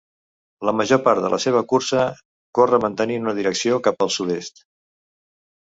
La major part de la seva cursa corre mantenint una direcció cap al sud-est.